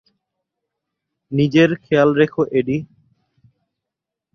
নিজের খেয়াল রেখো, এডি।